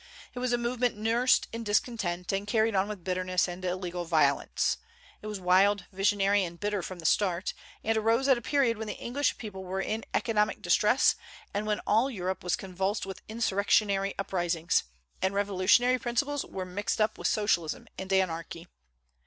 It was a movement nursed in discontent, and carried on with bitterness and illegal violence. It was wild, visionary, and bitter from the start, and arose at a period when the English people were in economic distress, and when all Europe was convulsed with insurrectionary uprisings, and revolutionary principles were mixed up with socialism and anarchy.